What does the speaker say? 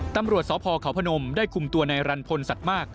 ตำรวจสพเขาพนมได้คุมตัวในรันพลสัตว์มาก